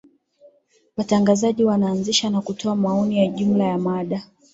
watangazaji wanaanzisha na kutoa maoni ya jumla ya mada